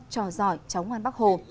trò giỏi cháu ngoan bác hồ